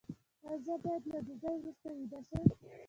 ایا زه باید له ډوډۍ وروسته ویده شم؟